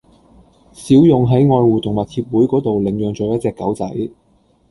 小勇喺愛護動物協會嗰度領養咗一隻狗仔